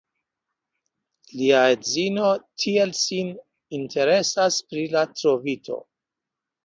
Lia edzino tiel sin interesas pri la trovito.